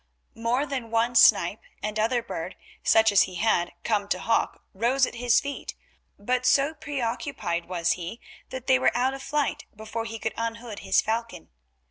More than one snipe and other bird such as he had come to hawk rose at his feet, but so preoccupied was he that they were out of flight before he could unhood his falcon.